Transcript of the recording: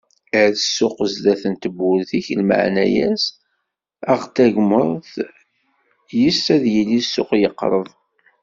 Err ssuq sdat n tewwurt-ik lmeɛna-as, aɣ-d tagmert, yes-s ad yili ssuq yeqreb.